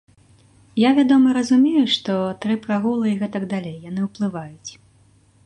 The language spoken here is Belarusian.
Я, вядома, разумею, што тры прагулы і гэтак далей, яны ўплываюць.